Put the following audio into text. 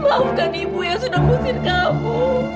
maafkan ibu yang sudah ngusir kamu